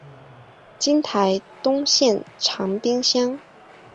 今台东县长滨乡。